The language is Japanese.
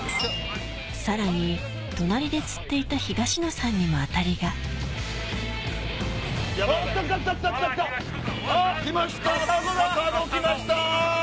さらに隣で釣っていた東野さんにもあたりが来た来た来た来た来た！来ました！